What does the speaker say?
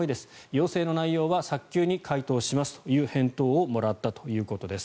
要請の内容は早急に回答しますという返答をもらったということです。